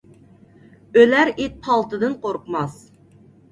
ئۆلەر ئىت پالتىدىن قورقماس.